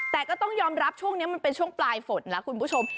แต่ก็ต้องยอมรับช่วงนี้มันเป็นช่วงปลายฝนแล้วคุณผู้ชม